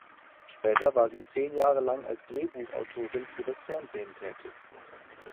Später war sie zehn Jahre lang als Drehbuchautorin für das Fernsehen tätig.